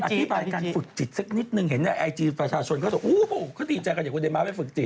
อธิบายการฝึกจิตสักนิดนึงเห็นในไอจีประชาชนเขาจะอู้เขาดีใจกันอย่างคุณเดม้าไปฝึกจิต